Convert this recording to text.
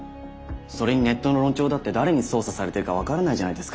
それにネットの論調だって誰に操作されてるか分からないじゃないですか。